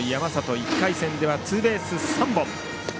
１回戦ではツーベース３本。